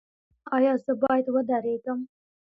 ایا زه باید ودریږم؟